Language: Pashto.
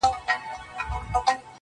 o لوړ ځاى نه و، کښته زه نه کښېنستم٫